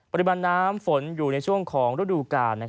ปริมาณน้ำฝนอยู่ในช่วงของฤดูกาล